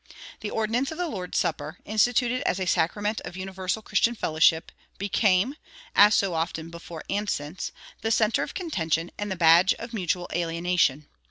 The ordinance of the Lord's Supper, instituted as a sacrament of universal Christian fellowship, became (as so often before and since) the center of contention and the badge of mutual alienation.